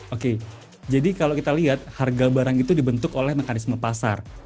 oke jadi kalau kita lihat harga barang itu dibentuk oleh mekanisme pasar